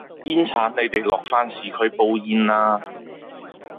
煙剷你哋落返市區煲煙啦